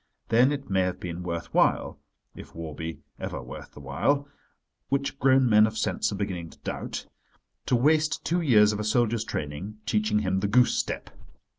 Then it may have been worth while—if war be ever worth the while—which grown men of sense are beginning to doubt—to waste two years of a soldier's training, teaching him the goose step.